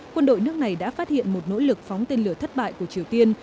quân đội nước này đã phát hiện một nỗ lực phóng tên lửa thất bại của triều tiên